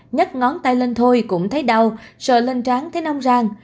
nhắc ngón tay lên thôi cũng thấy đau sợ lên trán thấy nong rang